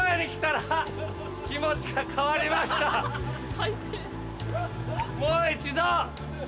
最低。